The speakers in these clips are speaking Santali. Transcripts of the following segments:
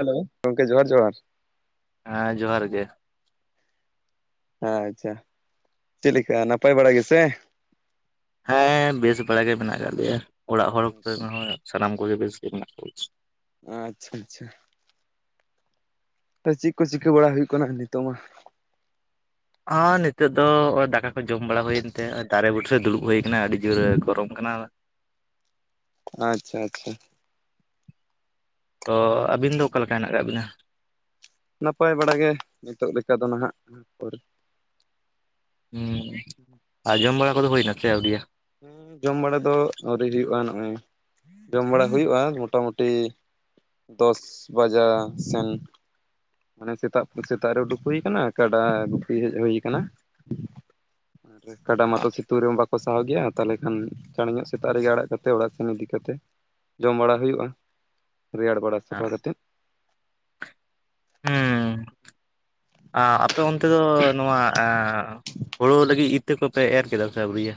ᱦᱮᱞᱳ ᱜᱚᱢᱠᱮ ᱡᱚᱦᱟᱨ ᱡᱚᱦᱟᱨ ᱦᱮᱸ ᱡᱚᱦᱟᱨ ᱜᱮ᱾ ᱟᱪᱪᱷᱟ ᱪᱮᱫ ᱞᱮᱠᱟ ᱱᱟᱯᱟᱭ ᱵᱟᱲᱟ ᱜᱮᱥᱮ? ᱦᱮᱸ ᱵᱮᱥ ᱵᱟᱲᱟ ᱜᱮ ᱢᱮᱱᱟᱜ ᱟᱠᱟᱫ ᱞᱮᱭᱟ ᱚᱲᱟᱜ ᱦᱚᱲ ᱠᱚᱨᱮ ᱦᱚᱸ ᱥᱟᱱᱟᱢ ᱠᱚᱜᱮ ᱵᱮᱥ ᱜᱮ ᱢᱮᱱᱟᱜ ᱠᱚᱣᱟ᱾ ᱟᱪᱪᱷᱟ, ᱟᱪᱪᱷᱟ᱾ ᱪᱮᱫ ᱠᱚ ᱪᱤᱠᱟᱹ ᱵᱟᱲᱟ ᱦᱩᱭᱩᱜ ᱠᱟᱱᱟ ᱱᱤᱛᱚᱜ ᱢᱟ? ᱦᱚ ᱱᱤᱛᱚᱜ ᱫᱚ ᱱᱚᱜ-ᱚ ᱫᱟᱠᱟ ᱠᱚ ᱡᱚᱢ ᱦᱚᱸ ᱱᱤᱛᱟᱹᱜ ᱫᱚ ᱫᱟᱠᱟ ᱠᱚ ᱡᱚᱢ ᱵᱟᱲᱟ ᱦᱩᱭᱮᱱ ᱛᱮ ᱫᱟᱨᱮ ᱵᱩᱴᱟᱹ ᱨᱮ ᱫᱩᱲᱩᱵ ᱦᱩᱭ ᱠᱟᱱᱟ ᱟᱹᱰᱤ ᱡᱳᱨ ᱜᱚᱨᱚᱢ ᱠᱟᱱᱟ᱾ ᱟᱪᱪᱷᱟ, ᱟᱪᱪᱷᱟ᱾ ᱚ ᱟᱹᱵᱤᱱ ᱫᱚ ᱚᱠᱟᱞᱮᱠᱟ ᱦᱮᱱᱟᱜ ᱟᱠᱟᱫ ᱵᱤᱱᱟ? ᱱᱟᱯᱟᱭ ᱵᱟᱲᱟᱜᱮ ᱱᱤᱛᱚᱜ ᱞᱮᱠᱟ ᱫᱚ ᱱᱟᱦᱟᱜ, ᱯᱚᱨᱮ ᱦᱩᱸ ᱟᱨ ᱡᱚᱢ ᱵᱟᱲᱟ ᱠᱚᱫᱚ ᱦᱩᱭᱱᱟ ᱥᱮ ᱟᱹᱣᱲᱤᱭᱟ? ᱦᱩᱸ ᱡᱚᱢ ᱵᱟᱲᱟ ᱫᱚ ᱟᱹᱣᱨᱤ ᱦᱩᱭᱩᱜᱼᱟ ᱱᱚᱜᱼᱚᱭ ᱡᱚᱢ ᱵᱟᱲᱟ ᱦᱩᱭᱩᱜᱼᱟ ᱢᱚᱴᱟᱢᱩᱴᱤ ᱫᱚᱥ ᱵᱟᱡᱟ ᱥᱮᱱ ᱢᱟᱱᱮ ᱥᱮᱛᱟᱜ ᱥᱮᱛᱟᱜ ᱨᱮ ᱩᱰᱩᱠ ᱦᱩᱭ ᱠᱟᱱᱟ ᱠᱟᱰᱟ ᱜᱩᱯᱤ ᱦᱮᱡ ᱦᱩᱭ ᱟᱠᱟᱱᱟ᱾ ᱟᱨ ᱠᱟᱰᱟ ᱢᱟᱛᱚ ᱥᱤᱛᱩᱝ ᱨᱮᱦᱚᱸ ᱵᱟᱠᱚ ᱥᱟᱦᱟᱣ ᱜᱮᱭᱟ᱾ ᱛᱟᱦᱚᱞᱮ ᱠᱷᱟᱱ ᱪᱟᱬ ᱧᱚᱜ ᱥᱮᱛᱟᱜ ᱨᱮᱜᱮ ᱟᱲᱟᱜ ᱠᱟᱛᱮ ᱚᱲᱟᱜ ᱥᱮᱱ ᱤᱫᱤ ᱠᱟᱛᱮ ᱡᱚᱢ ᱵᱟᱲᱟ ᱦᱩᱭᱩᱜ-ᱟ᱾ ᱨᱮᱭᱟᱲ ᱵᱟᱲᱟ, ᱦᱮᱸ᱾ [unintelligible] ᱟᱸ ᱟᱯᱮ ᱚᱱᱛᱮ ᱫᱚ ᱱᱚᱣᱟ ᱮ ᱦᱳᱲᱳ ᱞᱟᱹᱜᱤᱫ ᱤᱛᱟᱹ ᱠᱚᱯᱮ ᱮᱨ ᱠᱮᱫᱟ ᱥᱮ ᱟᱹᱣᱨᱤᱭᱟ?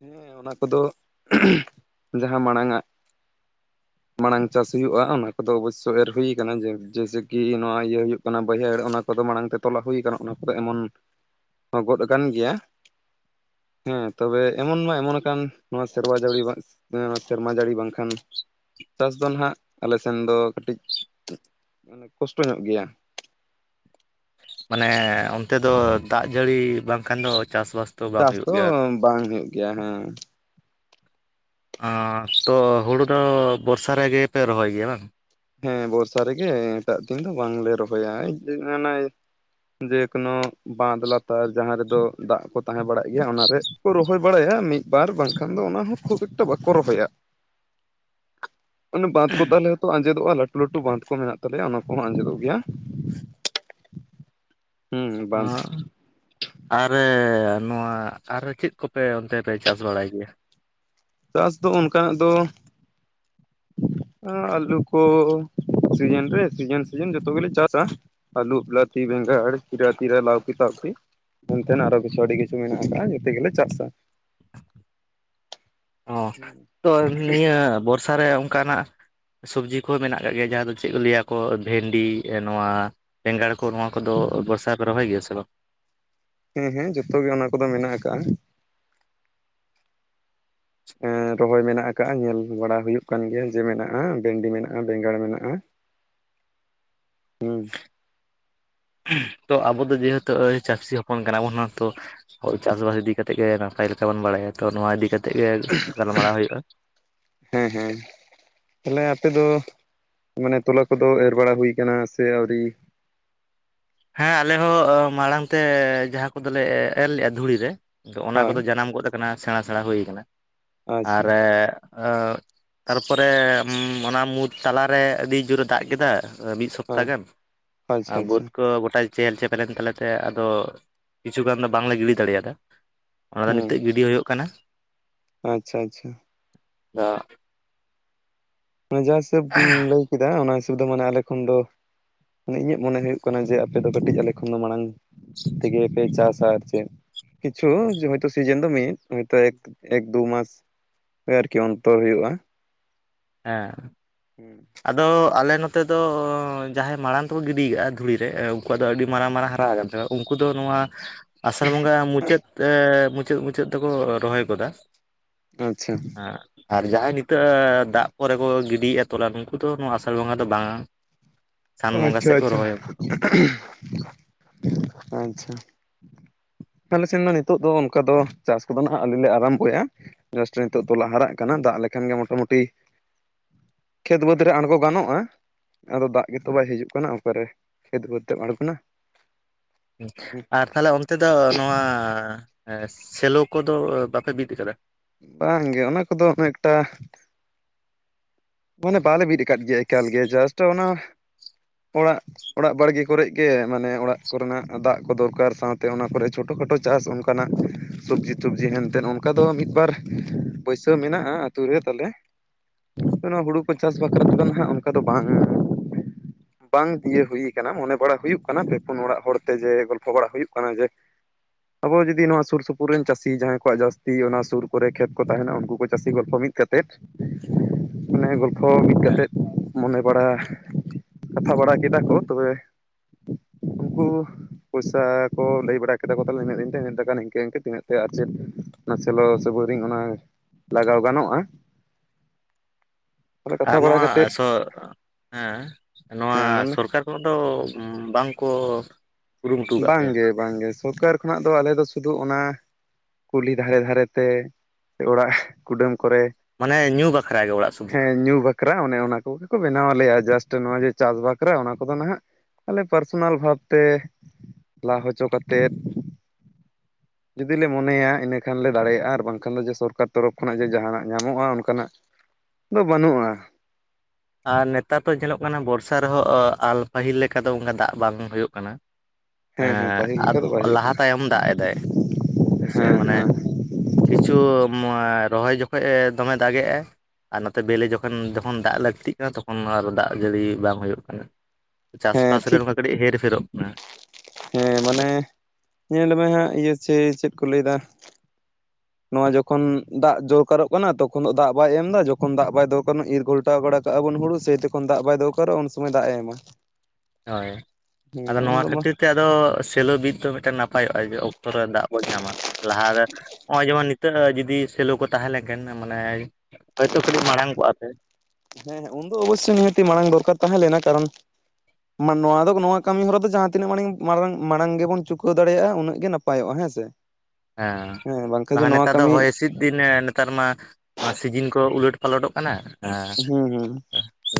ᱦᱮᱸ ᱚᱱᱟ ᱠᱚᱫᱚ ᱡᱟᱦᱟᱸ ᱢᱟᱲᱟᱝᱼ ᱟᱜ ᱢᱟᱲᱟᱝ ᱪᱟᱥ ᱦᱩᱭᱩᱜᱼᱟ ᱚᱱᱟ ᱠᱚᱫᱚ ᱚᱵᱚᱥᱥᱳ ᱮᱨ ᱦᱩᱭ ᱠᱟᱱᱟ ᱡᱮ ᱡᱮᱭᱥᱮ ᱠᱤ ᱱᱚᱣᱟ ᱤᱭᱟᱹ ᱦᱩᱭᱩᱜ ᱚᱱᱟ ᱵᱟᱹᱭᱦᱟᱹᱲ ᱚᱱᱟ ᱠᱚᱫᱚ ᱢᱟᱲᱟᱝ ᱛᱮ ᱛᱚᱞᱟ ᱦᱩᱭ ᱠᱟᱱᱟ ᱚᱱᱟ ᱠᱚᱫᱚ ᱮᱢᱚᱱ ᱦᱚᱸ ᱜᱚᱫ ᱟᱠᱟᱱ ᱜᱮᱭᱟ, ᱦᱮᱸ ᱛᱚᱵᱮ ᱮᱢᱚᱱ ᱢᱟ ᱮᱢᱚᱱ ᱟᱠᱟᱱ ᱱᱚᱣᱟ ᱥᱮᱨᱣᱟ ᱡᱟᱹᱲᱤ ᱥᱮᱨᱢᱟ ᱡᱟᱹᱲᱤ ᱵᱟᱝᱠᱷᱟᱱ ᱪᱟᱥ ᱫᱚ ᱱᱟᱦᱟᱜ ᱟᱞᱮ ᱥᱮᱱ ᱫᱚ ᱠᱟᱹᱴᱤᱡ ᱠᱚᱥᱴᱚ ᱧᱚᱜ ᱜᱮᱭᱟ᱾ ᱢᱟᱱᱮ ᱚᱱᱛᱮ ᱫᱚ ᱫᱟᱜ ᱡᱟᱹᱲᱤ ᱵᱟᱝᱠᱷᱟᱱ ᱫᱚ ᱪᱟᱥᱵᱟᱥ ᱵᱟᱝ ᱪᱟᱥ ᱦᱩᱭᱩᱜ ᱫᱚ ᱜᱮᱭᱟ ᱵᱟᱝ ᱦᱩᱭᱩᱜ ᱜᱮᱭᱟ ᱦᱮᱸ᱾ ᱛᱚ ᱦᱩᱲᱩ ᱫᱚ ᱵᱚᱨᱥᱟ ᱨᱮᱜᱮᱯᱮ ᱨᱚᱦᱚᱭ ᱜᱮᱭᱟ ᱵᱟᱝ? ᱦᱮᱸ ᱵᱚᱨᱥᱟ ᱨᱮᱜᱮ ᱮᱴᱟᱜ ᱫᱤᱱ ᱫᱚ ᱵᱟᱝᱞᱮ ᱨᱚᱦᱚᱭᱟ ᱤᱛᱟᱹ ᱡᱮᱠᱳᱱᱳ ᱵᱟᱸᱫ ᱞᱟᱛᱟᱨ ᱡᱟᱦᱟᱸ ᱨᱮᱫᱚ ᱫᱟᱜ ᱠᱚ ᱛᱟᱦᱮᱸ ᱵᱟᱲᱟᱜ ᱜᱮᱭᱟ ᱚᱱᱟᱨᱮᱠᱚ ᱨᱚᱦᱚᱭ ᱵᱟᱲᱟᱭᱟ ᱢᱤᱫ ᱵᱟᱨ ᱵᱟᱝᱠᱷᱟᱱ ᱫᱚ ᱚᱱᱟ ᱦᱚᱸ ᱠᱷᱩᱵ ᱮᱠᱴᱟ ᱵᱟᱠᱚ ᱨᱚᱦᱚᱭᱟ᱾ ᱚᱱᱟ ᱵᱟᱸᱫ ᱠᱚ ᱛᱟᱞᱮ ᱟᱸᱡᱮᱫᱚᱜ-ᱟ ᱞᱟᱹᱴᱩ ᱞᱟᱹᱴᱩ ᱵᱟᱸᱫ ᱠᱚ ᱢᱮᱱᱟᱜ ᱛᱟᱞᱮᱭᱟ ᱚᱱᱟ ᱠᱚᱦᱚᱸ ᱟᱸᱡᱮᱫᱚᱜ ᱜᱮᱭᱟ᱾ ᱦᱩᱸ ᱵᱟᱝ [unintelligible] ᱟᱨ ᱱᱚᱣᱟ ᱟᱨ ᱪᱮᱫ ᱠᱚᱯᱮ ᱚᱱᱛᱮ ᱯᱮ ᱪᱟᱥ ᱵᱟᱲᱟᱭ ᱜᱮᱭᱟ? ᱪᱟᱥ ᱫᱚ ᱚᱱᱠᱟᱱᱟᱜ ᱫᱚ ᱟᱹᱞᱩ ᱠᱚ ᱥᱤᱡᱤᱱ ᱨᱮ ᱥᱤᱡᱤᱱ ᱥᱤᱡᱤᱱ ᱡᱚᱛᱚ ᱜᱮᱞᱮ ᱪᱟᱥᱟ᱾ ᱟᱹᱞᱩ ᱵᱤᱞᱟᱛᱤ ᱵᱮᱸᱜᱟᱲ ᱠᱤᱨᱟ ᱛᱤᱨᱟ ᱞᱟᱣᱠᱤ ᱛᱟᱣᱠᱤ ᱮᱱᱛᱮᱱ ᱟᱨᱚ ᱠᱤᱪᱷᱩ ᱟᱹᱰᱤ ᱠᱤᱪᱷᱩ ᱢᱮᱱᱟᱜ ᱟᱠᱟᱫᱟ ᱡᱚᱛᱚ ᱜᱮᱞᱮ ᱪᱟᱥᱟ᱾ ᱦᱚᱸ ᱛᱚ ᱱᱤᱭᱟᱹ ᱵᱚᱨᱥᱟ ᱨᱮ ᱚᱝᱠᱟᱱᱟᱜ ᱥᱚᱵᱽᱡᱤ ᱠᱚ ᱢᱮᱱᱟᱜ ᱠᱟᱜ ᱜᱮᱭᱟ ᱡᱟᱦᱟᱸ ᱫᱚ ᱪᱮᱫ ᱞᱟᱹᱭᱟᱠᱚ ᱵᱷᱮᱱᱰᱤ ᱱᱚᱣᱟ ᱵᱮᱸᱜᱟᱲ ᱠᱚ ᱱᱚᱣᱟ ᱠᱚᱫᱚ ᱵᱚᱨᱥᱟ ᱨᱮᱯᱮ ᱨᱚᱦᱚᱭ ᱜᱮᱭᱟ ᱥᱮ ᱵᱟᱝ? ᱦᱮᱸ ᱦᱮᱸ ᱡᱚᱛᱚ ᱜᱮ ᱚᱱᱟ ᱠᱚᱫᱚ ᱢᱮᱱᱟᱜ ᱟᱠᱟᱜ-ᱟ᱾ ᱦᱮᱸ ᱨᱚᱦᱚᱭ ᱢᱮᱱᱟᱜ ᱠᱟᱜᱼᱟ ᱧᱮᱞ ᱵᱟᱲᱟ ᱦᱳᱭᱳᱜ ᱠᱟᱱ ᱜᱮᱭᱟ ᱡᱮ ᱢᱮᱱᱟᱜᱼᱟ ᱵᱷᱮᱱᱰᱤ, ᱢᱮᱱᱟᱜᱼᱟ ᱵᱮᱸᱜᱟᱲ, ᱢᱮᱱᱟᱜᱼᱟ [inaudible] ᱛᱚ ᱟᱵᱚ ᱫᱚ ᱡᱮᱦᱩᱛᱩ ᱪᱟᱹᱥᱤ ᱦᱚᱯᱚᱱ ᱠᱟᱱᱟ ᱵᱚᱱ ᱚᱱᱟ ᱛᱚᱼᱼ ᱦᱳᱭ ᱪᱟᱸᱫᱳ ᱤᱫᱤ ᱠᱟᱛᱮᱜ ᱜᱮ ᱱᱟᱯᱟᱭ ᱞᱮᱠᱟ ᱵᱚᱱ ᱵᱟᱲᱟᱭᱟ ᱛᱚ ᱱᱟᱣᱟ ᱤᱫᱤ ᱠᱟᱛᱮᱜ ᱜᱮ ᱜᱟᱞᱢᱟᱲᱟ ᱦᱳᱭᱳᱜᱼᱟ᱾ ᱦᱮᱸ ᱦᱮᱸ ᱛᱟᱦᱞᱮ ᱟᱯᱮ ᱫᱚ ᱢᱟᱱᱮ ᱛᱚᱞᱟ ᱠᱚᱫᱚ ᱮᱨ ᱵᱟᱲᱟ ᱦᱩᱭ ᱠᱟᱱᱟ ᱥᱮ ᱟᱹᱣᱨᱤ? ᱦᱮᱸ ᱟᱞᱮ ᱦᱚᱸ ᱢᱟᱲᱟᱝ ᱛᱮ ᱡᱟᱦᱟᱸ ᱠᱚᱫᱚᱞᱮ ᱮᱨ ᱞᱮᱜᱼᱟ ᱫᱷᱩᱲᱤ ᱨᱮᱼᱼ ᱚᱱᱟ ᱦᱳᱭ ᱠᱚᱫᱚ ᱡᱟᱱᱟᱢ ᱜᱚᱫ ᱟᱠᱟᱱᱟ ᱥᱮᱬᱟ ᱥᱮᱬᱟ ᱦᱩᱭ ᱟᱠᱟᱱᱟ ᱟᱨ ᱟᱪᱪᱷᱟ ᱛᱟᱨ ᱯᱚᱨᱮ ᱚᱱᱟ [unintelligible] ᱛᱟᱞᱟᱨᱮ ᱟᱹᱰᱤ ᱡᱩᱨᱮ ᱫᱟᱜ ᱠᱮᱫᱟ ᱢᱤᱫ ᱥᱚᱯᱛᱟ ᱦᱚᱸ ᱜᱟᱱ ᱟᱪᱪᱷᱟ ᱵᱟᱹᱫᱽᱼᱼ ᱟᱪᱪᱷᱟ ᱜᱚᱴᱟ ᱪᱮᱦᱮᱞ ᱪᱮᱯᱮᱞᱮᱱ ᱛᱟᱞᱮ ᱛᱮ ᱟᱫᱚ ᱠᱤᱪᱷᱩ ᱜᱟᱱ ᱫᱚ ᱵᱟᱝᱞᱮ ᱜᱤᱰᱤ ᱫᱟᱲᱮᱭᱟᱫᱟ ᱚᱱᱟ ᱫᱚ ᱦᱩᱸ ᱱᱤᱛᱚᱜ ᱜᱤᱰᱤ ᱦᱩᱭᱩᱜ ᱠᱟᱱᱟ ᱟᱪᱪᱷᱟ ᱟᱪᱪᱷᱟ [unintelligible] ᱢᱟᱱᱮ ᱡᱟᱦᱟ ᱦᱤᱥᱟᱹᱵᱽ ᱞᱟᱹᱭ ᱠᱮᱫᱟ ᱚᱱᱟ ᱦᱤᱥᱟᱹᱵᱽ ᱫᱚ ᱢᱟᱱᱮ ᱟᱞᱮ ᱠᱷᱚᱱ ᱫᱚ ᱢᱟᱱᱮ ᱤᱧᱟᱹᱜ ᱢᱚᱱᱮ ᱦᱩᱭᱩᱜ ᱠᱟᱱᱟ ᱡᱮ ᱟᱯᱮ ᱫᱚ ᱠᱟᱹᱴᱤᱡ ᱟᱞᱮ ᱠᱷᱚᱱ ᱫᱚ ᱢᱟᱲᱟᱝ ᱛᱮᱜᱮ ᱯᱮ ᱪᱟᱥᱟ ᱟᱨ ᱪᱮᱜ? ᱠᱤᱪᱷᱩ ᱡᱮᱦᱮᱛᱩ ᱥᱤᱡᱮᱱ ᱫᱚ ᱢᱤᱫ ᱦᱚᱭᱛᱳ ᱮᱠ ᱮᱠ ᱫᱩ ᱢᱟᱥ ᱟᱨᱠᱤ ᱚᱱᱛᱚᱨ ᱦᱩᱭᱩᱜᱼᱟ ᱦᱮᱸ ᱦᱮᱸ ᱟᱫᱚ ᱟᱞᱮ ᱱᱚᱛᱮ ᱫᱚ ᱡᱟᱦᱟᱸᱭ ᱢᱟᱲᱟᱝ ᱛᱮᱠᱚ ᱜᱤᱰᱤ ᱟᱠᱟᱜᱼᱟ ᱫᱷᱩᱲᱤ ᱨᱮ ᱩᱱᱠᱩᱣᱟᱜ ᱫᱚ ᱟᱹᱰᱤ ᱢᱟᱨᱟᱝ ᱢᱟᱨᱟᱝ ᱦᱟᱨᱟ ᱟᱠᱟᱱᱟ ᱦᱮᱸ ᱩᱱᱠᱩ ᱫᱚ ᱱᱚᱣᱟ ᱟᱥᱟᱲ ᱵᱚᱸᱜᱟ ᱢᱩᱪᱟᱹᱫ ᱢᱩᱪᱟᱹᱫ ᱢᱩᱪᱟᱹᱫ ᱛᱮᱠᱚ ᱨᱚᱦᱚᱭ ᱜᱚᱫᱟ ᱟᱪᱪᱷᱟ ᱟᱨ ᱡᱟᱦᱟᱸᱭ ᱱᱤᱛᱚᱜ ᱫᱟᱜ ᱠᱚᱨᱮ ᱠᱚ ᱜᱤᱰᱤᱭᱮᱫᱼᱟ ᱛᱚᱞᱟ ᱱᱩᱠᱩ ᱫᱚ ᱱᱚᱣᱟ ᱟᱥᱟᱲ ᱵᱚᱸᱜᱟ ᱫᱚ ᱵᱟᱝᱟ ᱟᱪᱪᱷᱟ ᱟᱪᱪᱷᱟ ᱟᱪᱪᱷᱟ ᱟᱞᱮ ᱥᱮᱱ ᱫᱚ ᱱᱤᱛᱚᱜ ᱫᱚ ᱚᱱᱠᱟ ᱫᱚ ᱪᱟᱥ ᱠᱚᱫᱚ ᱱᱷᱟᱜ ᱟᱹᱣᱨᱤᱞᱮ ᱟᱨᱷᱟᱢᱵᱚᱭᱟ ᱡᱟᱥᱴ ᱱᱤᱛᱚᱜ ᱫᱚᱞᱟ ᱦᱟᱨᱟᱜ ᱠᱟᱱᱟ ᱫᱟᱜ ᱞᱮᱠᱷᱟᱱ ᱜᱮ ᱢᱚᱴᱟᱢᱩᱴᱤ ᱠᱷᱮᱛ ᱵᱟᱹᱫᱽ ᱨᱮ ᱟᱬᱜᱚ ᱜᱟᱱᱚᱜᱼᱟ ᱟᱫᱚ ᱫᱟᱜ ᱜᱮ ᱛᱚ ᱵᱟᱭ ᱦᱤᱡᱩᱜ ᱠᱟᱱᱟ ᱚᱠᱟ ᱨᱮ ᱠᱷᱮᱛ ᱵᱟᱹᱫᱽ ᱛᱮᱢ ᱟᱬᱜᱚᱱᱟ ᱟᱨ ᱛᱟᱦᱚᱞᱮ ᱚᱱᱛᱮ ᱫᱚ ᱱᱚᱣᱟ ᱥᱮᱞᱳ ᱠᱚᱫᱚ ᱵᱟᱯᱮ ᱵᱤᱫ ᱟᱠᱟᱫᱟ ᱵᱟᱝᱜᱮ ᱚᱱᱟ ᱠᱚᱫᱚ [unintelligible] ᱢᱟᱱᱮ ᱵᱟᱞᱮ ᱵᱤᱫ ᱟᱠᱟᱫ ᱜᱮᱭᱟ ᱮᱠᱟᱞ ᱜᱮ ᱡᱟᱥᱴ ᱚᱱᱟ ᱚᱲᱟᱜ ᱚᱲᱟᱜ ᱵᱟᱲᱜᱮ ᱠᱚᱨᱮ ᱜᱮ ᱢᱟᱱᱮ ᱚᱲᱟᱜ ᱠᱚᱨᱮᱱᱟᱜ ᱫᱟᱜ ᱠᱚ ᱫᱚᱨᱠᱟᱨ ᱥᱟᱶᱛᱮ ᱚᱱᱟ ᱠᱚᱨᱮ ᱪᱷᱳᱴᱳ ᱠᱷᱟᱴᱚ ᱪᱟᱥ ᱚᱱᱠᱟ ᱚᱱᱠᱟᱱᱟᱜ ᱥᱚᱵᱽᱡᱤ ᱛᱚᱵᱽᱡᱤ ᱦᱮᱱᱛᱮᱱ ᱚᱱᱠᱟ ᱫᱚ ᱢᱤᱫ ᱵᱟᱨ ᱯᱩᱭᱥᱟᱹ ᱢᱮᱱᱟᱜᱼᱟ ᱟᱹᱛᱳ ᱨᱮ ᱛᱟᱞᱮ ᱚᱱᱟ ᱦᱳᱲᱳ ᱠᱚ ᱪᱟᱥ ᱵᱟᱠᱷᱨᱟ ᱛᱮᱫᱚ ᱱᱷᱟᱜ ᱚᱱᱠᱟ ᱫᱚ ᱵᱟᱝ ᱵᱟᱝ ᱫᱤᱭᱟᱹ ᱦᱩᱭ ᱟᱠᱟᱱᱟ ᱢᱚᱱᱮ ᱵᱟᱲᱟ ᱦᱩᱭᱩᱜ ᱠᱟᱱᱟ ᱯᱮ ᱯᱩᱱ ᱚᱲᱟᱜ ᱦᱚᱲ ᱛᱮ ᱡᱮ ᱜᱚᱞᱯᱷᱚ ᱵᱟᱲᱟ ᱦᱩᱭᱩᱜ ᱠᱟᱱᱟ ᱡᱮ ᱟᱵᱚ ᱡᱩᱫᱤ ᱱᱚᱣᱟ ᱥᱩᱨ ᱥᱩᱯᱩᱨ ᱨᱮᱱ ᱪᱟᱹᱥᱤ ᱡᱟᱦᱟᱸᱭ ᱠᱚᱣᱟᱜ ᱡᱟᱹᱥᱛᱤ ᱚᱱᱟ ᱥᱩᱨ ᱠᱚᱨᱮ ᱠᱷᱮᱛ ᱠᱚ ᱛᱟᱦᱮᱱᱟ ᱩᱱᱠᱩ ᱠᱚ ᱪᱟᱹᱥᱤ ᱜᱚᱞᱯᱷᱚ ᱢᱤᱫ ᱠᱟᱛᱮᱫ ᱢᱟᱱᱮ ᱜᱚᱞᱯᱷᱚ ᱢᱤᱫ ᱦᱮᱸ ᱠᱟᱛᱮᱫ ᱢᱚᱱᱮ ᱵᱟᱲᱟ ᱠᱟᱛᱷᱟ ᱵᱟᱲᱟ ᱠᱮᱫᱟ ᱠᱚ ᱛᱚᱵᱮ ᱩᱱᱠᱩ ᱯᱚᱭᱥᱟ ᱠᱚ ᱞᱟᱹᱭ ᱵᱟᱲᱟ ᱠᱮᱫᱟ ᱠᱚ ᱛᱟᱦᱚᱞᱮ ᱤᱱᱟᱹᱜ ᱫᱤᱱ ᱛᱮ ᱤᱱᱟᱹᱜ ᱴᱟᱠᱟ ᱱᱤᱝᱠᱟᱹ ᱤᱱᱠᱟᱹ ᱛᱤᱱᱟᱹᱜ ᱟᱨ ᱪᱮᱫ ᱚᱱᱟ ᱥᱮᱞᱳ ᱥᱮ ᱵᱚᱭᱨᱤᱝ ᱚᱱᱟ ᱞᱟᱜᱟᱣ ᱜᱟᱱᱚᱜᱼᱟ ᱛᱟᱦᱚᱞᱮ ᱠᱟᱛᱷᱟ ᱟᱨ ᱵᱟᱲᱟ ᱱᱚᱣᱟ ᱠᱟᱛᱮᱫ ᱦᱮᱸ ᱱᱚᱣᱟ ᱦᱮᱸ ᱥᱚᱨᱠᱟᱨ ᱦᱚᱲ ᱫᱚ ᱵᱟᱝ ᱠᱚ ᱵᱟᱝᱜᱮ ᱵᱟᱝᱜᱮ ᱥᱚᱨᱠᱟᱨ ᱠᱷᱚᱱᱟᱜ ᱫᱚ ᱟᱞᱮ ᱫᱚ ᱥᱩᱫᱩ ᱚᱱᱟ ᱠᱩᱞᱦᱤ ᱫᱷᱟᱨᱮ ᱫᱷᱟᱨᱮ ᱛᱮ ᱥᱮ ᱚᱲᱟᱜ ᱠᱩᱰᱟᱹᱢ ᱠᱚᱨᱮ ᱢᱟᱱᱮ ᱧᱩ ᱵᱟᱠᱷᱨᱟ ᱜᱮ ᱚᱲᱟᱜ ᱥᱩᱢᱩᱝ ᱦᱮᱸ ᱧᱩ ᱵᱟᱠ ᱵᱟᱠᱷᱨᱟ ᱚᱱᱮ ᱚᱱᱟ ᱠᱚᱜᱮ ᱠᱚ ᱵᱮᱱᱟᱣ ᱟᱞᱮᱭᱟ ᱡᱟᱥᱴ ᱱᱚᱣᱟ ᱡᱮ ᱪᱟᱥ ᱵᱟᱠᱷᱨᱟ ᱚᱱᱟ ᱠᱚᱫᱚ ᱱᱟᱦᱟᱸᱜ ᱟᱞᱮ ᱯᱟᱨᱥᱚᱱᱟᱞ ᱵᱷᱟᱵᱽ ᱛᱮ ᱞᱟ ᱦᱚᱪᱚ ᱠᱟᱛᱮᱫ ᱡᱩᱫᱤ ᱞᱮ ᱢᱚᱱᱮᱭᱟ ᱤᱱᱟᱹ ᱠᱷᱟᱱᱞᱮ ᱫᱟᱲᱮᱭᱟᱜᱼᱟ ᱟᱨ ᱵᱟᱝᱠᱷᱟᱱ ᱫᱚ ᱡᱮ ᱥᱚᱨᱠᱟᱨ ᱛᱚᱨᱚᱯᱷ ᱠᱷᱚᱱᱟᱜ ᱡᱮ ᱡᱟᱦᱟᱱᱟᱜ ᱧᱟᱢᱚᱜᱼᱟ ᱚᱱᱠᱟᱱᱟᱜ ᱫᱚ ᱵᱟᱹᱱᱩᱜᱼᱟ ᱟᱨ ᱱᱮᱛᱟᱨ ᱛᱚ ᱧᱮᱞᱚᱜ ᱠᱟᱱᱟ ᱵᱚᱨᱥᱟ ᱨᱮᱦᱚᱸ ᱟᱞᱯᱟᱹᱦᱤᱞ ᱞᱮᱠᱟ ᱫᱚ ᱚᱱᱠᱟ ᱫᱟᱜ ᱵᱟᱝ ᱦᱩᱭᱩᱜ ᱠᱟᱱᱟ ᱦᱮᱸ ᱦᱮᱸ ᱯᱟᱹᱦᱤᱞ ᱞᱮᱠᱟ ᱫᱚ ᱵᱟᱭ ᱦᱩᱭᱩᱜ ᱞᱟᱦᱟ ᱛᱟᱭᱚᱢ ᱫᱟᱜ ᱮᱫᱟᱭ ᱠᱟᱱᱟ ᱥᱮ ᱦᱮᱸ ᱢᱟᱱᱮ ᱦᱮᱸ ᱠᱤᱪᱷᱩ ᱨᱚᱦᱚᱭ ᱡᱚᱠᱷᱚᱡ ᱫᱚᱢᱮ ᱫᱟᱜ ᱮᱼᱟᱭ ᱟᱨ ᱱᱚᱛᱮ ᱵᱮᱞᱮ ᱡᱚᱠᱷᱚᱱ ᱡᱚᱠᱷᱚᱱ ᱫᱟᱜ ᱞᱟᱹᱠᱛᱤᱜ ᱠᱟᱱᱟ ᱛᱚᱠᱷᱚᱱ ᱟᱨ ᱫᱟᱜ ᱡᱟᱹᱲᱤ ᱵᱟᱝ ᱦᱩᱭᱩᱜ ᱠᱟᱱᱟ ᱦᱮᱸ ᱪᱟᱥᱵᱟᱥ ᱨᱮ ᱴᱷᱤᱠ ᱱᱚᱝᱠᱟ ᱠᱟᱹᱴᱤᱡ ᱦᱮᱨᱯᱷᱮᱨᱚᱜ ᱠᱟᱱᱟ ᱦᱮᱸ ᱢᱟᱱᱮ ᱧᱮᱞᱢᱮ ᱦᱟᱸᱜ ᱤᱭᱟᱹ ᱪᱮᱭ ᱪᱮᱫ ᱠᱚ ᱞᱟᱹᱭᱫᱟ ᱱᱚᱣᱟ ᱡᱚᱠᱷᱚᱱ ᱫᱟᱜ ᱫᱚᱨᱠᱟᱨᱚᱜ ᱠᱟᱱᱟ ᱛᱚᱠᱷᱚᱱ ᱫᱚ ᱫᱟᱜ ᱵᱟᱭ ᱮᱢ ᱮᱫᱟ ᱡᱚᱠᱷᱚᱱ ᱫᱟᱜ ᱵᱟᱭ ᱫᱚᱨᱠᱟᱨ ᱤᱨ ᱜᱷᱴ ᱴᱟᱣ ᱵᱟᱲᱟ ᱠᱟᱜᱼᱟ ᱵᱚᱱ ᱦᱳᱲᱩ ᱥᱮᱭ ᱛᱚᱠᱷᱚᱱ ᱫᱟᱜ ᱵᱟᱭ ᱫᱚᱨᱠᱟᱨᱚᱜᱼᱟ ᱩᱱ ᱥᱚᱢᱚᱭ ᱫᱟᱜ ᱮᱢᱟ ᱦᱳᱭ ᱟᱫᱚ ᱦᱮᱸ ᱱᱚᱣᱟ ᱩᱱᱫᱚ ᱠᱷᱟᱹᱛᱤᱨ ᱟᱫᱚ ᱥᱮᱞᱚ ᱵᱤᱛ ᱫᱚ ᱢᱤᱫᱴᱮᱱ ᱱᱟᱯᱟᱭᱚᱜᱼᱟ ᱡᱮ ᱚᱠᱛᱚ ᱨᱮ ᱫᱟᱜ ᱵᱚᱱ ᱧᱟᱢᱟ ᱞᱟᱦᱟᱨᱮ ᱱᱚᱜ ᱚᱭ ᱡᱮᱢᱚᱱ ᱱᱤᱛᱚᱜ ᱡᱩᱫᱤ ᱥᱮᱞᱚ ᱠᱚ ᱛᱟᱦᱮᱸ ᱞᱮᱱᱠᱷᱟᱱ ᱢᱟᱱᱮ ᱦᱚᱭᱛᱳ ᱠᱟᱹᱴᱤᱡ ᱢᱟᱲᱟᱝ ᱠᱚᱜᱼᱟ ᱥᱮ ᱦᱮᱸ ᱦᱮᱸ ᱩᱱᱫᱚ ᱚᱵᱚᱥᱥᱳᱭ ᱱᱤᱦᱟᱹᱛᱤ ᱢᱟᱲᱟᱝ ᱫᱚᱨᱠᱟᱨ ᱛᱟᱦᱮᱸ ᱞᱮᱱᱟ ᱠᱟᱨᱚᱱ ᱱᱚᱣᱟ ᱫᱚ ᱱᱚᱣᱟ ᱠᱟᱹᱢᱤ ᱦᱚᱨᱟ ᱫᱚ ᱡᱟᱦᱟᱸ ᱛᱤᱱᱟᱹᱜ ᱢᱟᱲᱟᱝ ᱢᱟᱨᱟᱝ ᱢᱟᱲᱟᱝ ᱜᱮᱵᱚᱱ ᱪᱩᱠᱟᱹᱣ ᱫᱟᱲᱮᱭᱟᱜᱼᱟ ᱩᱱᱟᱹᱜ ᱜᱮ ᱱᱟᱯᱟᱭᱚᱜᱼᱟ ᱦᱮᱸ ᱥᱮ [inaudible] ᱦᱮᱸ ᱵᱟᱝᱠᱷᱟᱱ ᱡᱮ ᱞᱟᱦᱟ ᱱᱚᱣᱟ ᱱᱮᱛᱟᱨ ᱫᱚ ᱠᱟᱹᱢᱤ ᱦᱚᱭ ᱦᱤᱥᱤᱫ ᱫᱤᱱ ᱱᱮᱛᱟᱨ ᱢᱟ ᱱᱚᱣᱟ ᱥᱤᱡᱤᱱ ᱠᱚ ᱩᱞᱟᱹᱴ ᱯᱟᱞᱚᱴᱚᱜ ᱠᱟᱱᱟ ᱦᱩᱸ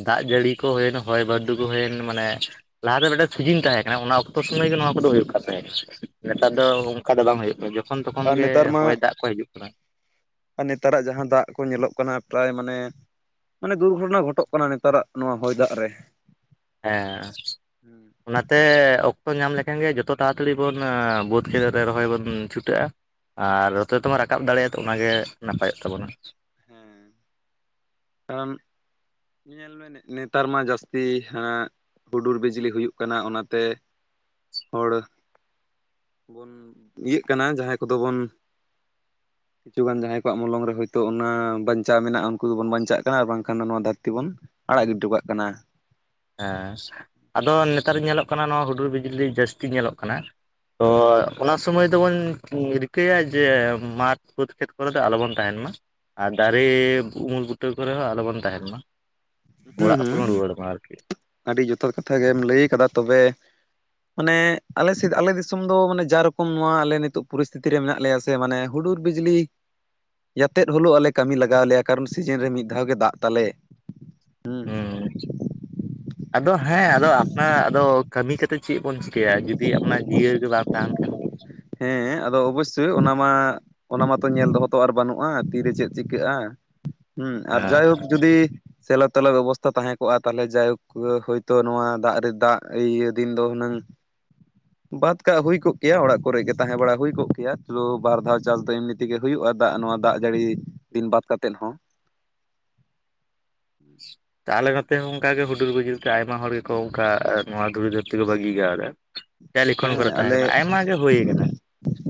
ᱫᱟᱜ ᱡᱟᱹᱲᱤ ᱠᱚ ᱦᱩᱭᱮᱱ ᱦᱚᱭ ᱵᱟᱹᱨᱰᱩ ᱠᱚ ᱦᱩᱭᱮᱱ ᱢᱟᱱᱮ ᱞᱟᱦᱟᱛᱮ ᱢᱤᱫᱴᱮᱱ ᱥᱤᱡᱤᱱ ᱛᱟᱦᱮᱸ ᱠᱟᱱᱟ ᱚᱱᱟ ᱚᱠᱛᱚ ᱥᱚᱢᱚᱭ ᱜᱮ ᱱᱚᱣᱟ ᱠᱚᱫᱚ ᱦᱩᱭᱩᱜ ᱠᱟᱱ ᱛᱟᱦᱮᱸ ᱠᱟᱱᱟ ᱦᱩᱸ ᱱᱮᱛᱟᱨ ᱫᱚ ᱚᱱᱠᱟ ᱫᱚ ᱵᱟᱝ ᱦᱩᱭᱩᱜ ᱠᱟᱱᱟ ᱡᱚᱠᱷᱚᱱ ᱛᱚᱠᱷᱚᱱ ᱟᱨ ᱜᱮ ᱱᱮᱛᱟᱨ ᱢᱟ ᱦᱚᱭ ᱫᱟᱜ ᱠᱚ ᱦᱤᱡᱩᱜ ᱠᱟᱱᱟ ᱟᱨ ᱱᱮᱛᱟᱨᱟᱜ ᱡᱟᱦᱟᱸ ᱫᱟᱜ ᱠᱚ ᱧᱮᱞᱚᱜ ᱠᱟᱱᱟ ᱯᱨᱟᱭ ᱢᱟᱱᱮ ᱢᱟᱱᱮ ᱫᱩᱨᱜᱷᱚᱴᱚᱱᱟ ᱜᱷᱚᱴᱚᱜ ᱠᱟᱱᱟ ᱱᱮᱛᱟᱨᱟᱜ ᱱᱚᱣᱟ ᱦᱚᱭ ᱫᱟᱜ ᱨᱮ ᱦᱮᱸ ᱚᱱᱟᱛᱮ ᱚᱠᱛᱚ ᱧᱟᱢ ᱞᱮᱠᱷᱟᱱ ᱜᱮ ᱡᱚᱛᱚ ᱛᱟᱲᱟᱛᱟᱲᱤ ᱵᱚᱱ ᱵᱟᱹᱫᱽ ᱠᱷᱮᱛ ᱨᱮ ᱨᱚᱦᱚᱭ ᱵᱚᱱ ᱪᱷᱩᱴᱟᱹᱜᱼᱟ ᱟᱨ ᱦᱚᱛᱚ ᱛᱚᱢᱟ ᱛᱮᱵᱚᱱ ᱨᱟᱠᱟᱵ ᱫᱟᱲᱮᱭᱟᱜᱼᱟ ᱛᱚ ᱚᱱᱟᱜᱮ ᱱᱟᱯᱟᱭᱚᱜ ᱛᱟᱵᱚᱱᱟ ᱦᱮᱸ ᱠᱚᱱ ᱧᱮᱞ ᱢᱮ ᱱᱮᱛᱟᱨ ᱢᱟ ᱡᱟᱹᱥᱛᱤ ᱦᱮᱸ ᱦᱩᱰᱩᱨ ᱵᱤᱡᱽᱞᱤ ᱦᱩᱭᱩᱜ ᱠᱟᱱᱟ ᱚᱱᱟᱛᱮ ᱦᱚᱲ ᱵᱚᱱ ᱤᱭᱟᱹᱜ ᱠᱟᱱᱟ ᱡᱟᱦᱟᱸᱭ ᱠᱚᱫᱚ ᱵᱚᱱ ᱠᱤᱪᱷᱩ ᱜᱟᱱ ᱡᱟᱦᱟᱸᱭ ᱠᱚᱣᱟᱜ ᱢᱚᱞᱚᱝ ᱨᱮ ᱦᱚᱭᱛᱳ ᱚᱱᱟ ᱵᱟᱧᱪᱟᱣ ᱢᱮᱱᱟᱜᱼᱟ ᱩᱱᱠᱩ ᱫᱚᱵᱚᱱ ᱵᱟᱧᱪᱟᱜ ᱠᱟᱱᱟ ᱟᱨ ᱵᱟᱝ ᱠᱷᱟᱱ ᱫᱚ ᱱᱚᱣᱟ ᱫᱷᱟᱹᱨᱛᱤ ᱵᱚᱱ ᱟᱲᱟᱜ ᱜᱤᱰᱤᱴᱚ ᱠᱟᱜ ᱠᱟᱱᱟ ᱦᱮᱸ ᱟᱫᱚ ᱱᱮᱛᱟᱨ ᱧᱮᱞᱚᱜ ᱠᱟᱱᱟ ᱱᱚᱣᱟ ᱦᱩᱰᱩᱨ ᱵᱤᱡᱽᱞᱤ ᱡᱟᱹᱥᱛᱤ ᱧᱮᱞᱚᱜ ᱠᱟᱱᱟ ᱛᱚ ᱚᱱᱟ ᱥᱚᱢᱚᱭ ᱫᱚᱵᱚᱱ ᱨᱤᱠᱟᱹᱭᱟ ᱡᱮ ᱢᱟᱴᱷ ᱵᱟᱹᱫᱽ ᱠᱷᱮᱛ ᱠᱚᱨᱮ ᱫᱚ ᱟᱞᱚ ᱵᱚᱱ ᱛᱟᱦᱮᱱ ᱢᱟ ᱟᱨ ᱫᱟᱨᱮ ᱩᱢᱩᱞ ᱵᱩᱴᱟᱹ ᱠᱚᱨᱮ ᱦᱚᱸ ᱟᱞᱚ ᱵᱚᱱ ᱛᱟᱦᱮᱱ ᱢᱟ ᱦᱮᱸ ᱚᱲᱟᱜ ᱦᱮᱸ ᱛᱮᱵᱚᱱ ᱨᱩᱣᱟᱹᱲ ᱢᱟ ᱟᱨᱠᱤ ᱟᱹᱰᱤ ᱡᱚᱛᱷᱟᱛ ᱠᱟᱛᱷᱟ ᱜᱮᱢ ᱞᱟᱹᱭ ᱟᱠᱟᱫᱟ ᱛᱚᱵᱮ ᱢᱟᱱᱮ ᱟᱞᱮ ᱥᱮᱫ ᱟᱞᱮ ᱫᱤᱥᱚᱢ ᱫᱚ ᱢᱟᱱᱮ ᱡᱟ ᱨᱚᱠᱚᱢ ᱱᱚᱣᱟ ᱟᱞᱮ ᱱᱤᱛᱚᱜ ᱯᱚᱨᱤᱥᱛᱷᱤᱛᱤ ᱨᱮ ᱢᱮᱱᱟᱜ ᱞᱮᱭᱟ ᱛᱮ ᱢᱟᱱᱮ ᱦᱩᱰᱩᱨ ᱵᱤᱡᱽᱞᱤ ᱡᱟᱛᱮᱫ ᱦᱚᱞᱳᱜ ᱟᱞᱮ ᱠᱟᱹᱢᱤ ᱞᱟᱜᱟᱣ ᱞᱮᱭᱟ ᱠᱟᱨᱚᱱ ᱥᱤᱡᱤᱱ ᱨᱮ ᱢᱤᱫ ᱫᱷᱟᱣ ᱜᱮ ᱫᱟᱜ ᱛᱟᱞᱮ ᱦᱩᱸ [inaudible] ᱟᱫᱚ ᱦᱮᱸ ᱟᱫᱚ ᱟᱯᱱᱟ ᱟᱫᱚ ᱠᱟᱹᱢᱤ ᱠᱟᱛᱮ ᱪᱮᱫ ᱵᱚᱱ ᱪᱤᱠᱟᱹᱭᱟ ᱡᱩᱫᱤ ᱟᱯᱱᱟᱜ ᱡᱤᱭᱟᱹᱜᱮ ᱵᱟᱝ ᱛᱟᱦᱮᱱ ᱠᱷᱟᱱ ᱦᱮᱸ ᱟᱫᱚ ᱚᱵᱚᱥᱥᱳᱭ ᱚᱱᱟ ᱢᱟ ᱚᱱᱟ ᱢᱟᱛᱚ ᱧᱮᱞ ᱫᱚ ᱦᱚᱸ ᱛᱚ ᱟᱨ ᱵᱟᱹᱱᱩᱜᱼᱟ ᱛᱤᱨᱮ ᱪᱮᱫ ᱪᱤᱠᱟᱹᱜᱼᱟ ᱦᱩᱸ ᱟᱨ ᱮᱸ ᱡᱟᱭᱦᱳᱠ ᱡᱩᱫᱤ ᱥᱮᱞᱚ ᱛᱟᱞᱮ ᱵᱮᱵᱚᱥᱛᱟ ᱛᱟᱦᱮᱸ ᱠᱚᱜᱼᱟ ᱛᱟᱦᱚᱞᱮ ᱡᱟᱭᱦᱳᱠ ᱦᱳᱭᱛᱳ ᱱᱚᱣᱟ ᱫᱟᱜ ᱨᱮ ᱫᱟᱜ ᱤᱭᱟᱹ ᱫᱤᱱ ᱫᱚ ᱦᱩᱱᱟᱹᱝ ᱵᱟᱛ ᱠᱟᱜ ᱦᱩᱭ ᱠᱚᱜ ᱠᱮᱭᱟ ᱚᱲᱟᱜ ᱠᱚᱨᱮ ᱜᱮ ᱛᱟᱦᱮᱸ ᱵᱟᱲᱟ ᱦᱩᱭ ᱠᱚᱜ ᱠᱮᱭᱟ ᱛᱚ ᱵᱟᱨ ᱫᱷᱟᱣ ᱪᱟᱥ ᱫᱚ ᱮᱢᱱᱤ ᱛᱮᱜᱮ ᱦᱩᱭᱩᱜᱼᱟ ᱫᱟᱜ ᱱᱚᱣᱟ ᱫᱟᱜ ᱡᱟᱹᱲᱤ ᱫᱤᱱ ᱵᱟᱛ ᱠᱟᱛᱮᱫ ᱦᱚᱸ ᱛᱟᱦᱚᱞᱮ ᱱᱚᱛᱮ ᱦᱚᱸ ᱚᱱᱠᱟᱜᱮ ᱦᱩᱰᱩᱨ ᱵᱤᱡᱽᱞᱤ ᱛᱮ ᱟᱭᱢᱟ ᱦᱚᱲ ᱜᱮᱠᱚ ᱚᱱᱠᱟ ᱱᱚᱣᱟ ᱫᱷᱩᱨᱤ ᱫᱷᱟᱹᱨᱛᱤ ᱠᱚ ᱵᱟᱹᱜᱤ ᱠᱟᱣᱫᱟ ᱥᱮ ᱞᱤᱠᱷᱚᱱ ᱦᱮᱸ ᱠᱚᱨᱮ ᱛᱟᱦᱮᱸ ᱟᱞᱮ ᱠᱟᱱᱟ ᱟᱭᱢᱟ ᱜᱮ ᱦᱩᱭ ᱟᱠᱟᱱᱟ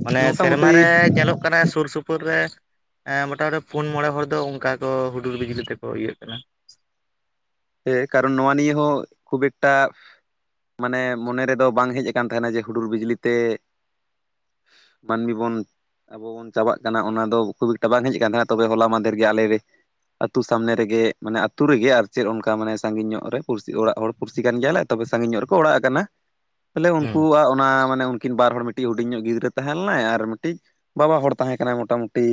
ᱢᱟᱱᱮ ᱥᱮᱨᱢᱟ ᱢᱚᱴᱟᱢᱩᱴᱤ ᱨᱮ ᱧᱮᱞᱚᱜ ᱠᱟᱱᱟ ᱥᱩᱨ ᱥᱩᱯᱩᱨ ᱨᱮ ᱢᱚᱴᱟᱢᱩᱴᱤ ᱯᱩᱱ ᱢᱚᱬᱮ ᱦᱚᱲ ᱫᱚ ᱚᱱᱠᱟ ᱠᱚ ᱦᱩᱰᱩᱨ ᱵᱤᱡᱽᱞᱤ ᱛᱮᱠᱚ ᱤᱭᱟᱹᱜ ᱠᱟᱱᱟ ᱦᱮᱸ ᱠᱟᱨᱚᱱ ᱱᱚᱣᱟ ᱱᱤᱭᱮ ᱦᱚᱸ ᱠᱷᱩᱵ ᱮᱠᱴᱟ ᱢᱟᱱᱮ ᱢᱚᱱᱮ ᱨᱮᱫᱚ ᱵᱟᱝ ᱦᱮᱡ ᱟᱠᱟᱱ ᱛᱟᱦᱮᱱᱟ ᱡᱮ ᱦᱩᱰᱩᱨ ᱵᱤᱡᱽᱞᱤ ᱛᱮ ᱢᱟᱹᱱᱢᱤ ᱵᱚᱱ ᱟᱵᱚ ᱵᱚᱱ ᱪᱟᱵᱟᱜ ᱠᱟᱱᱟ ᱚᱱᱟ ᱫᱚ ᱠᱷᱩᱵ ᱮᱠᱴᱟ ᱵᱟᱝ ᱦᱮᱡ ᱠᱟᱱᱟ ᱛᱚᱵᱮ ᱦᱚᱞᱟ ᱢᱟᱫᱷᱮᱨ ᱜᱮ ᱟᱞᱮ ᱞᱮ ᱟᱹᱛᱩ ᱥᱟᱢᱱᱮ ᱨᱮᱜᱮ ᱢᱟᱱᱮ ᱟᱹᱛᱩ ᱨᱮᱜᱮ ᱟᱨ ᱪᱮᱫ ᱚᱱᱠᱟ ᱢᱟᱱᱮ ᱥᱟᱺᱜᱤᱧ ᱧᱚᱜ ᱨᱮ ᱯᱩᱨᱥᱤ ᱚᱲᱟᱜ ᱦᱚᱲ ᱯᱩᱨᱥᱤ ᱠᱟᱱ ᱜᱮᱭᱟᱞᱮ ᱛᱚᱵᱮ ᱥᱟᱺᱜᱤᱧ ᱧᱚᱜ ᱨᱮᱠᱚ ᱚᱲᱟᱜ ᱟᱠᱟᱱᱟ ᱛᱟᱦᱚᱞᱮ ᱦᱩᱸ ᱩᱱᱠᱩᱣᱟᱜ ᱚᱱᱟ ᱢᱟᱱᱮ ᱩᱱᱠᱤᱱ ᱵᱟᱨ ᱦᱚᱲ ᱢᱤᱫᱴᱤᱜ ᱦᱩᱰᱤᱧ ᱧᱚᱜ ᱜᱤᱫᱽᱨᱟᱹ ᱛᱟᱦᱮᱸ ᱞᱮᱱᱟᱭ ᱟᱨ ᱢᱤᱫᱴᱤᱡ ᱵᱟᱵᱟ ᱦᱚᱲ ᱛᱟᱦᱮᱸ ᱠᱟᱱᱟᱭ ᱢᱚᱴᱟᱢᱩᱴᱤ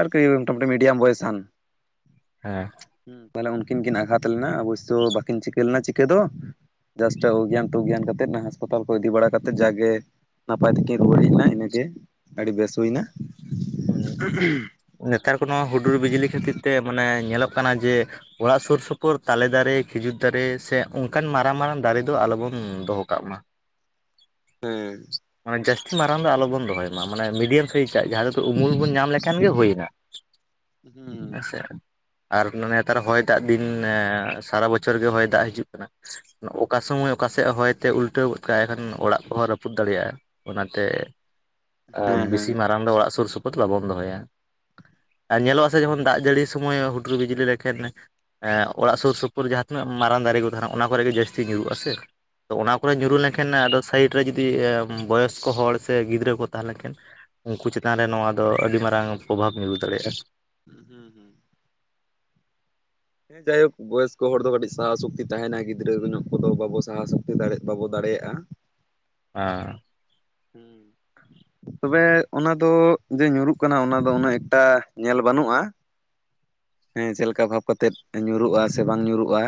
ᱟᱨᱠᱤ ᱢᱚᱴᱟᱢᱩᱴᱤ ᱢᱤᱰᱤᱭᱟᱢ ᱵᱚᱭᱮᱥᱟᱱ ᱦᱮᱸ ᱦᱩᱸ ᱯᱟᱞᱮᱱ ᱩᱱᱠᱤᱱ ᱠᱤᱱ ᱟᱜᱷᱟᱛ ᱞᱮᱱᱟ ᱚᱵᱚᱥᱥᱳᱭ ᱵᱟᱠᱤᱱ ᱪᱤᱠᱟᱹ ᱞᱮᱱᱟ ᱪᱤᱠᱟᱹ ᱫᱚ ᱡᱟᱥᱴᱟ ᱚᱜᱽᱜᱮᱭᱟᱱ ᱴᱚᱜᱽᱜᱮᱭᱟᱱ ᱠᱟᱛᱮᱫ ᱦᱟᱸᱥᱯᱟᱛᱟᱞ ᱠᱚ ᱤᱫᱤ ᱵᱟᱲᱟ ᱠᱟᱛᱮᱫ ᱡᱟᱜᱮ ᱱᱟᱯᱟᱭ ᱛᱮᱠᱤᱱ ᱨᱩᱣᱟᱹᱲ ᱦᱮᱡ ᱱᱟ ᱤᱱᱟᱹᱜᱮ ᱟᱹᱰᱤ ᱵᱮᱥ ᱦᱩᱭᱱᱟ ᱦᱩᱸ ᱱᱮᱛᱟᱨ ᱠᱚ ᱱᱚᱣᱟ ᱦᱩᱰᱩᱨ ᱵᱤᱡᱽᱞᱤ ᱠᱷᱟᱹᱛᱤᱨ ᱛᱮ ᱢᱟᱱᱮ ᱧᱮᱞᱚᱜ ᱠᱟᱱᱟ ᱡᱮ ᱚᱲᱟᱜ ᱥᱩᱨ ᱥᱩᱯᱩᱨ ᱛᱟᱞᱮ ᱫᱟᱨᱮ ᱠᱷᱤᱡᱩᱨ ᱫᱟᱨᱮ ᱥᱮ ᱚᱱᱠᱟᱱ ᱢᱟᱨᱟᱝ ᱢᱟᱨᱟᱝ ᱫᱟᱨᱮ ᱫᱚ ᱟᱞᱚᱵᱚᱱ ᱫᱚᱦᱚ ᱠᱟᱜ ᱢᱟ ᱦᱩᱸ ᱢᱟᱱᱮ ᱡᱟᱹᱥᱛᱤ ᱢᱟᱨᱟᱝ ᱫᱚ ᱟᱞᱚ ᱵᱚᱱ ᱫᱚᱦᱚᱭ ᱢᱟ ᱢᱟᱱᱮ ᱢᱤᱰᱤᱭᱟᱢ ᱥᱟᱭᱤᱡᱽ ᱟᱜ ᱡᱟᱦᱟᱸ ᱛᱚ ᱩᱢᱩᱞ ᱵᱚᱱ ᱧᱟᱢ ᱞᱮᱠᱷᱟᱱ ᱜᱮ ᱦᱩᱭᱱᱟ ᱦᱮᱸ ᱦᱮᱸᱥᱮ ᱟᱨ ᱢᱟᱱᱮ ᱱᱮᱛᱟᱨ ᱦᱚᱭ ᱫᱟᱜ ᱫᱤᱱ ᱥᱟᱨᱟ ᱵᱚᱪᱷᱚᱨ ᱜᱮ ᱦᱚᱭ ᱫᱟᱜ ᱦᱤᱡᱩᱜ ᱠᱟᱱᱟ ᱚᱠᱟ ᱥᱚᱢᱚᱭ ᱚᱠᱟᱥᱮᱫ ᱦᱚᱭᱛᱮ ᱩᱞᱴᱟᱹᱣ ᱜᱚᱫ ᱠᱟᱜ-ᱟᱭ ᱮᱠᱷᱟᱱ ᱚᱲᱟᱜ ᱠᱚᱦᱚᱸ ᱨᱟᱹᱯᱩᱫ ᱫᱟᱲᱮᱭᱟᱜ-ᱟ ᱚᱱᱟᱛᱮ ᱦᱮᱸ ᱵᱮᱥᱤ ᱦᱮᱸ ᱢᱟᱨᱟᱝ ᱫᱚ ᱚᱲᱟᱜ ᱥᱩᱨ ᱥᱩᱯᱩᱨ ᱵᱟᱵᱚᱱ ᱫᱚᱦᱚᱭᱟ ᱟᱨ ᱧᱮᱞᱚᱜ-ᱟ ᱥᱮ ᱡᱮᱢᱚᱱ ᱫᱟᱜ ᱡᱟᱹᱲᱤ ᱥᱚᱢᱚᱭ ᱦᱩᱴᱩᱨ ᱵᱤᱡᱽᱞᱤ ᱨᱮ ᱠᱷᱮᱛᱨᱮ ᱚᱲᱟᱜ ᱥᱳᱨ ᱥᱳᱯᱳᱨ ᱡᱟᱦᱟᱸ ᱛᱤᱱᱟᱹᱜ ᱢᱟᱨᱟᱝ ᱫᱟᱨᱮ ᱠᱚ ᱛᱟᱦᱮᱱᱟ ᱚᱱᱟ ᱠᱚᱨᱮ ᱜᱮ ᱡᱟᱹᱥᱛᱤ ᱧᱩᱨᱩᱜᱼᱟ ᱥᱮ ᱛᱚ ᱚᱱᱟ ᱠᱚ ᱧᱩᱨᱩ ᱞᱮᱱᱠᱷᱟᱱ ᱟᱫᱚ ᱥᱟᱭᱤᱰ ᱨᱮ ᱡᱩᱫᱤ ᱵᱚᱭᱚᱥᱠᱚ ᱦᱚᱲ ᱥᱮ ᱜᱤᱫᱽᱨᱟᱹ ᱠᱚ ᱛᱟᱦᱮᱸ ᱞᱮᱱᱠᱷᱟᱱ ᱩᱱᱠᱩ ᱪᱮᱛ ᱪᱮᱛᱟᱱ ᱨᱮ ᱱᱚᱣᱟ ᱫᱚ ᱟᱹᱰᱤ ᱢᱟᱨᱟᱝ ᱯᱨᱚᱵᱷᱟᱵᱽ ᱧᱩᱨ ᱫᱟᱲᱮᱭᱟᱜᱼᱟ ᱦᱩᱸ ᱦᱩᱸ ᱦᱩᱸ ᱦᱮᱸ ᱡᱟᱭᱦᱳᱠ ᱵᱚᱭᱚᱥᱠᱚ ᱦᱚᱲ ᱫᱚ ᱠᱟᱹᱴᱤᱡ ᱥᱟᱦᱟ ᱥᱚᱠᱛᱤ ᱛᱟᱦᱮᱱᱟ ᱜᱤᱫᱽᱨᱟᱹ ᱧᱚᱜ ᱠᱚᱫᱚ ᱵᱟᱵᱚ ᱥᱟᱦᱟ ᱥᱚᱠᱛᱤ ᱫᱟᱲᱮ ᱵᱟᱵᱚ ᱫᱟᱲᱮᱭᱟᱜᱼᱟ ᱦᱮᱸ ᱦᱩᱸ ᱛᱚᱵᱮ ᱚᱱᱟ ᱫᱚ ᱡᱮ ᱧᱩᱨᱩᱜ ᱠᱟᱱᱟ ᱚᱱᱟ ᱫᱚ ᱩᱱᱟᱹᱜ ᱮᱠᱴᱟ ᱧᱮᱞ ᱵᱟᱹᱱᱩᱜᱼᱟ ᱦᱮᱸ ᱪᱮᱫ ᱞᱮᱠᱟ ᱵᱷᱟᱵᱽ ᱠᱟᱛᱮᱜ ᱧᱩᱨᱩᱜᱼᱟ ᱥᱮ ᱵᱟᱝ ᱧᱩᱨᱩᱜᱼᱟ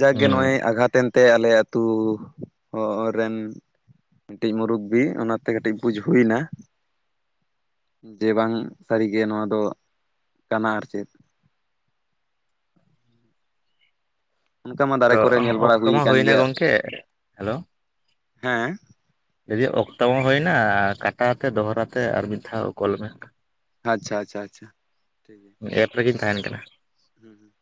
ᱡᱟᱜᱽᱜᱮ ᱦᱩᱸ ᱱᱚᱜᱼᱚᱭ ᱟᱜᱷᱟᱛ ᱮᱱᱛᱮ ᱟᱞᱮ ᱟᱛᱩ ᱚ ᱨᱮᱱ ᱢᱤᱫᱴᱤᱡ ᱢᱩᱨᱩᱵᱵᱤ ᱚᱱᱟᱛᱮ ᱠᱟᱹᱴᱤᱡ ᱵᱩᱡᱽ ᱦᱩᱭ ᱱᱟ ᱡᱮ ᱵᱟᱝ ᱥᱟᱹᱨᱤ ᱜᱮ ᱱᱚᱣᱟ ᱫᱚ ᱠᱟᱱᱟ ᱟᱨ ᱪᱮᱫ ᱚᱱᱠᱟ ᱢᱟ ᱫᱟᱨᱮ ᱛᱚ ᱠᱚᱨᱮ ᱧᱮᱞ ᱵᱟᱲᱟ ᱚᱠᱛᱚ ᱦᱩᱭ ᱢᱟ ᱠᱟᱱ ᱦᱩᱭᱱᱟ ᱜᱮᱭᱟ ᱜᱚᱝᱠᱮ ᱦᱮᱸ ᱞᱮᱫᱤᱧ ᱚᱠᱛᱚ ᱦᱚᱸ ᱦᱩᱭᱱᱟ ᱠᱟᱴᱟᱛᱮ ᱫᱚᱦᱚᱨᱟ ᱛᱮ ᱟᱨ ᱢᱤᱫ ᱫᱷᱟᱣ ᱠᱚᱞ ᱢᱮ ᱟᱪᱪᱷᱟ ᱟᱪᱪᱷᱟ ᱟᱪᱪᱷᱟ ᱴᱷᱤᱠ ᱜᱮᱭᱟ ᱱᱤᱭᱟᱹ ᱮᱯ ᱨᱮᱜᱮᱧ ᱛᱟᱦᱮᱱ ᱠᱟᱱᱟ ᱦᱩᱸ